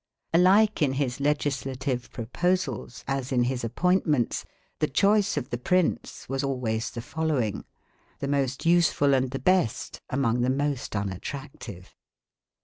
Alike in his legislative proposals, as in his appointments, the choice of the prince was always the following: the most useful and the best among the most unattractive.